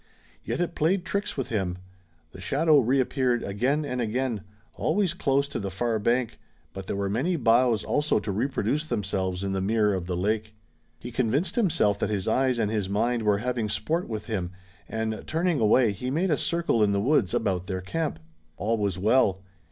Yet it played tricks with him. The shadow reappeared again and again, always close to the far bank, but there were many boughs also to reproduce themselves in the mirror of the lake. He convinced himself that his eyes and his mind were having sport with him, and turning away, he made a little circle in the woods about their camp. All was well.